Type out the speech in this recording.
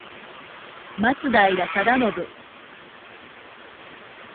松平定信